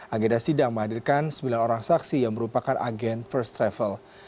agenda sidang menghadirkan sembilan orang saksi yang merupakan agen first travel